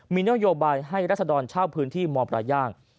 มีนโยบายให้รัศดรเช่าพื้นที่มปลาย่าง